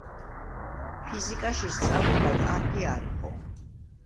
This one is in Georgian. ფიზიკაში სწავლება კარგი არ იყო.